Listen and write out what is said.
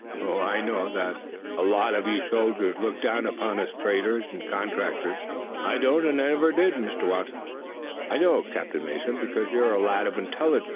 Oh, I know that a lot of you soldiers look down upon us traders and contractors." "I don't and I never did, Mr. Watson." "I know it, Captain Mason, because you're a lad of intelligence.